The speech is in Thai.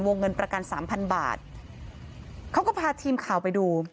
เงินประกันสามพันบาทเขาก็พาทีมข่าวไปดู